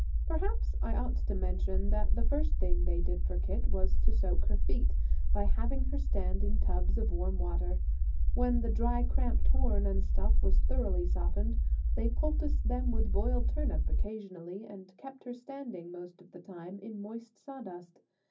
Perhaps I ought to mention that the first thing they did for Kit was to soak her feet, by having her stand in tubs of warm water. When the dry, cramped horn and stuff was thoroughly softened, they poulticed them with boiled turnip occasionally and kept her standing the most of the time in moist sawdust.